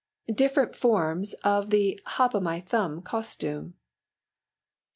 Different forms of the Hop o' my Thumb costume.